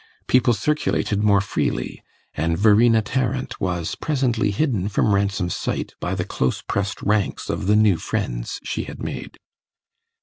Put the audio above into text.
People circulated more freely, and Verena Tarrant was presently hidden from Ransom's sight by the close pressed ranks of the new friends she had made.